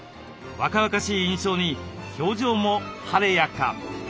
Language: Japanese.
若々しい印象に表情も晴れやか！